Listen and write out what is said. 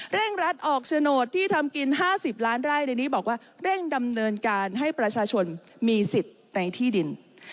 รัฐออกโฉนดที่ทำกิน๕๐ล้านไร่ในนี้บอกว่าเร่งดำเนินการให้ประชาชนมีสิทธิ์ในที่ดิน